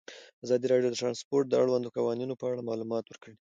ازادي راډیو د ترانسپورټ د اړونده قوانینو په اړه معلومات ورکړي.